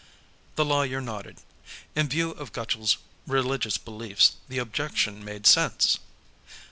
The lawyer nodded. In view of Gutchall's religious beliefs, the objection made sense.